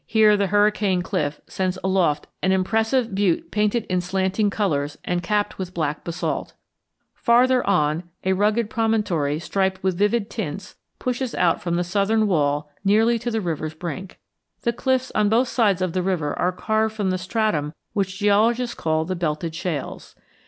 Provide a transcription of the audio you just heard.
Here the Hurricane Cliff sends aloft an impressive butte painted in slanting colors and capped with black basalt. Farther on a rugged promontory striped with vivid tints pushes out from the southern wall nearly to the river's brink. The cliffs on both sides of the river are carved from the stratum which geologists call the Belted Shales.